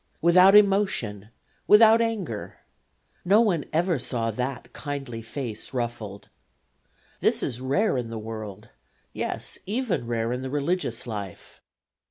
Without emotion, without anger. No one ever saw that kindly face ruffled. This is rare in the world yes, even rare in the religious life.